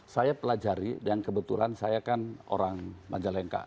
saya pelajari dan kebetulan saya kan orang majalengka